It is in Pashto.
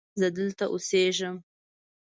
زه دلته اوسیږم